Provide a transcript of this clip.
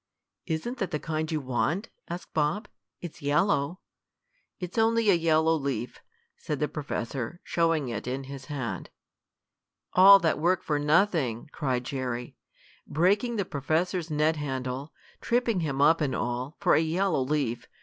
"Isn't that the kind you want?" asked Bob. "It's yellow." "It's only a yellow leaf," said the professor, showing it in his hand. "All that work for nothing!" cried Jerry. "Breaking the professor's net handle, tripping him up and all, for a yellow leaf.